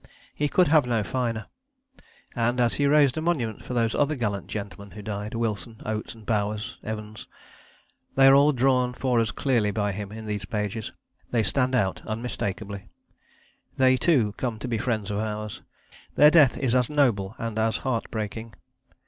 He could have no finer. And he has raised a monument for those other gallant gentlemen who died Wilson, Oates, Bowers, Evans. They are all drawn for us clearly by him in these pages; they stand out unmistakably. They, too, come to be friends of ours, their death is as noble and as heartbreaking.